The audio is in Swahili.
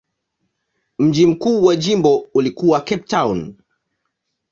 Mji mkuu wa jimbo ulikuwa Cape Town.